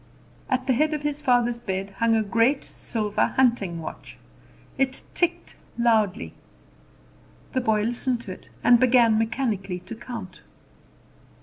At the head of his father's bed hung a great silver hunting watch. It ticked loudly. The boy listened to it, and began mechanically to count.